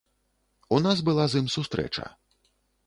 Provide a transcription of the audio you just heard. У нас была з ім сустрэча.